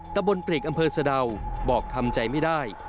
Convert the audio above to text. ตะบนปลีกอำเภอสะดาวบอกทำใจไม่ได้